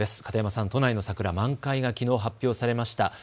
片山さん、都内の桜、満開がきのう発表されました。